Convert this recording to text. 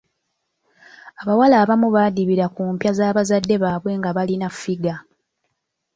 Abawala abamu badibira ku mpya za bazadde baabwe nga balina ffiga.